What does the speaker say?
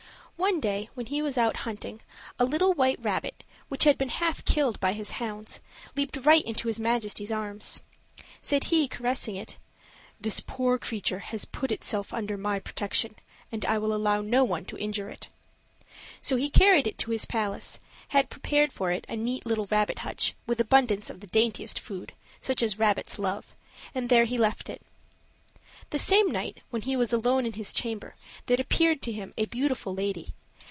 One day, when he was out hunting, a little white rabbit, which had been half killed by his hounds, leaped right into his majesty's arms. Said he, caressing it: "This poor creature has put itself under my protection, and I will allow no one to injure it." So he carried it to his palace, had prepared for it a neat little rabbit hutch, with abundance of the daintiest food, such as rabbits love, and there he left it. The same night, when he was alone in his chamber, there appeared to him a beautiful lady.